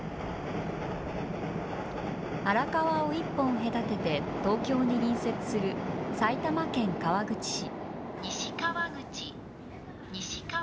荒川を１本隔てて、東京に隣接する埼玉県川口市。